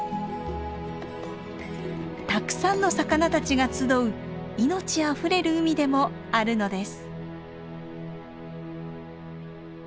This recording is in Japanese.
たくさんの魚たちが集う命あふれる海でもあるのです。